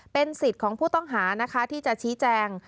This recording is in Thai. เป็นสิทธิ์ของผู้ต้องหานะคะที่จะชี้แจง